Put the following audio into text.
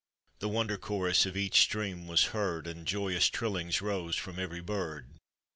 The wonder chorus of each stream wa» heard, And joyous trillings rose from every bird.